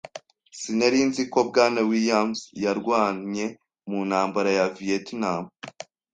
Sinari nzi ko Bwana Williams yarwanye mu ntambara ya Vietnam.